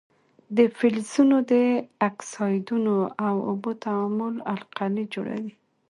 د فلزونو د اکسایدونو او اوبو تعامل القلي جوړوي.